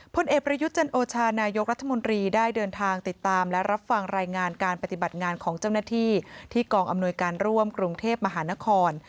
พลเอกประยุทธ์จันโอชานายกรัฐมนตรีได้เดินทางติดตามและรับฟังรายงานการปฏิบัติงานของเจ้าหน้าที่ที่กองอำนวยการร่วมกรุงเทพมหานคร